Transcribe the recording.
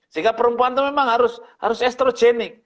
sehingga perempuan itu memang harus estrogenik